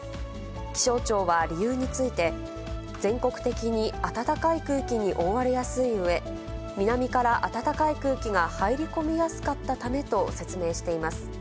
気象庁は理由について、全国的に暖かい空気に覆われやすいうえ、南から暖かい空気が入り込みやすかったためと説明しています。